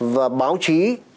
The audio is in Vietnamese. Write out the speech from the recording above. và báo chí